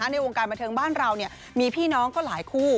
ในวงการบันเทิงบ้านเรามีพี่น้องก็หลายคู่